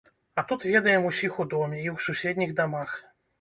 А тут ведаем усіх у доме, і ў суседніх дамах.